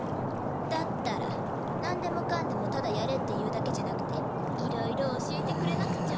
だったら何でもかんでもただやれって言うだけじゃなくていろいろ教えてくれなくちゃ。